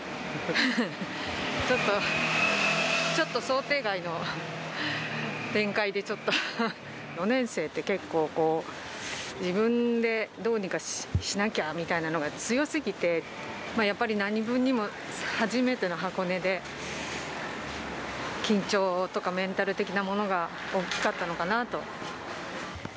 ちょっと、ちょっと想定外の展開で、ちょっと、４年生って結構、自分でどうにかしなきゃみたいなのが強すぎて、やっぱりなにぶんにも初めての箱根で、緊張とか、メンタル的なものが大きかったのかなと。